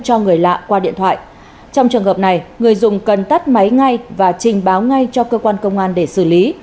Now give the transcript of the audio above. trường hợp này người dùng cần tắt máy ngay và trình báo ngay cho cơ quan công an để xử lý